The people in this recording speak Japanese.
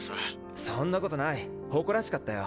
そんなことない誇らしかったよ。